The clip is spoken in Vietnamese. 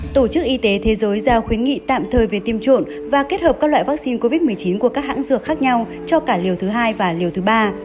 tổ chức y tế thế giới giao khuyến nghị tạm thời về tiêm chủng và kết hợp các loại vaccine covid một mươi chín của các hãng dược khác nhau cho cả liều thứ hai và liều thứ ba